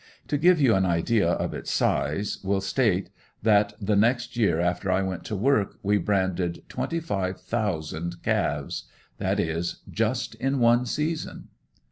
To give you an idea of its size, will state, that the next year after I went to work we branded twenty five thousand calves that is, just in one season.